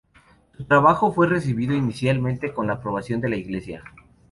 Su trabajo fue recibido inicialmente con la aprobación de la Iglesia.